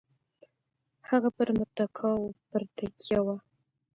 هغه پر متکاوو پر تکیه وه.